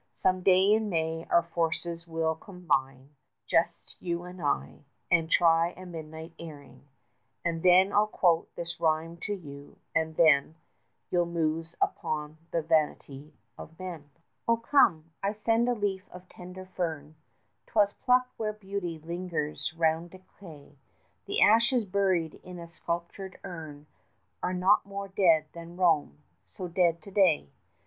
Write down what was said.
Some day in May our forces we'll combine 85 (Just you and I), and try a midnight airing, And then I'll quote this rhyme to you and then You'll muse upon the vanity of men! Oh, come! I send a leaf of tender fern, 'Twas plucked where Beauty lingers round decay: 90 The ashes buried in a sculptured urn Are not more dead than Rome so dead to day!